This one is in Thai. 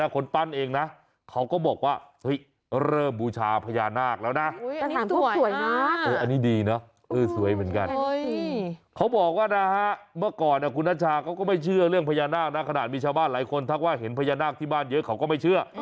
ขนาดมีชาวบ้านหลายคนถ้าว่าเห็นพญานาคที่บ้านเยอะเขาก็ไม่เชื่อ